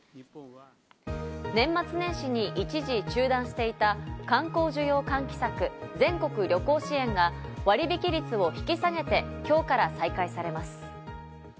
年末年始に一時中断していた観光需要喚起策、全国旅行支援が割引率を引き下げて今日から再開されます。